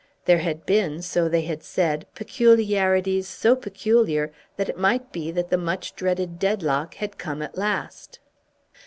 There had been, so they had said, peculiarities so peculiar that it might be that the much dreaded deadlock had come at last.